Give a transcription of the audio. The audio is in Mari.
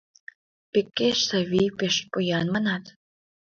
Пекеш Савий пеш поян, манат?